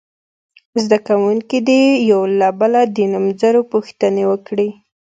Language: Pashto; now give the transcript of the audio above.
زده کوونکي دې یو له بله د نومځرو پوښتنې وکړي.